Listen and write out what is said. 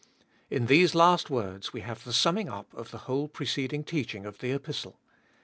In these last words we have the summing up of the whole preceding teaching of the Epistle.